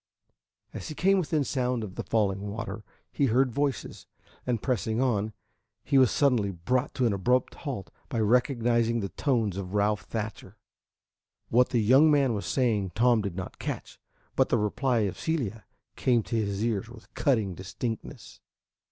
As he came within sound of the falling water, he heard voices, and pressing on, he was suddenly brought to an abrupt halt by recognizing the tones of Ralph Thatcher. What the young man was saying Tom did not catch, but the reply of Celia came to his ears with cutting distinctness.